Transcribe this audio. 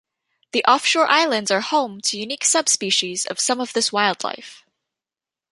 The offshore islands are home to unique subspecies of some of this wildlife.